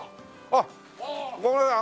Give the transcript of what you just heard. あっごめんなさい